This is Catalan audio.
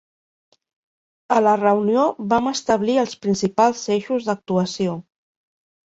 A la reunió vam establir els principals eixos d'actuació.